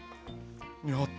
やった！